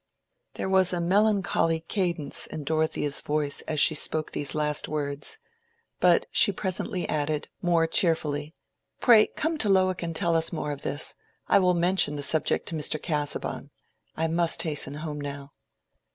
There was a melancholy cadence in Dorothea's voice as she spoke these last words. But she presently added, more cheerfully, "Pray come to Lowick and tell us more of this. I will mention the subject to Mr. Casaubon. I must hasten home now."